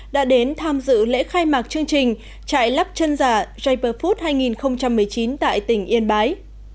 đã đến tham dự lễ khai mạc chương trình trại lắp chân giả jaipur food hai nghìn một mươi chín tại tỉnh yên bái